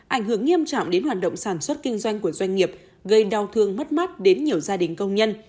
ảnh hưởng nghiêm trọng đến hoạt động sản xuất kinh doanh của doanh nghiệp gây đau thương mất mát đến nhiều gia đình công nhân